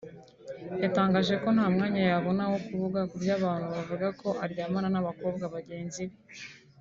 yatangaje ko nta mwanya yabona wo kuvuga ku by’abantu bavuga ko aryamana n’abakobwa bagenzi be